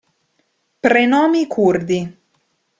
Prenomi curdi